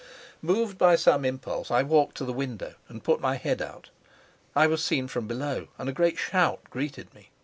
Moved by some impulse, I walked to the window and put my head out. I was seen from below, and a great shout greeted me.